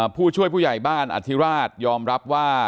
ผู้ช่วยผู้ใหญ่บ้านอธิราชยอมรับว่า